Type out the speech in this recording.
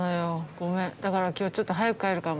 ごめんだから今日ちょっと早く帰るかも。